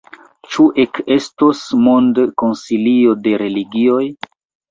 Ĉu ekestos mondkonsilio de religioj?